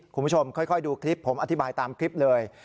คุณผู้ชมค่อยดูคลิปผมอธิบายตามคลิปเลย